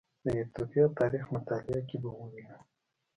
د ایتوپیا تاریخ مطالعه کې به ووینو